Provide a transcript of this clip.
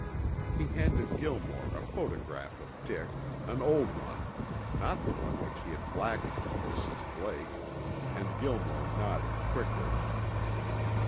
He handed Gilmore a photograph of Dick, an old one, not the one which he had blackened for Mrs. Blake, and Gilmore nodded quickly.